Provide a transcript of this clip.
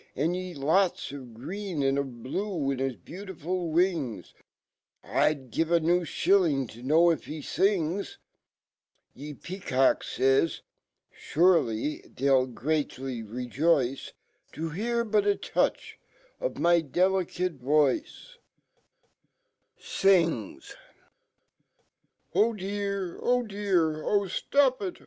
Andy lots Of green and of blue in his beautifu living I'd give a new Shilling to know if he ilngs ! ;J Y c peacock fays ?" Surely, fhey Ml greatly.rejol Tb hear but a touch of my delicate voice, ""O dear! dear! Ofloplt!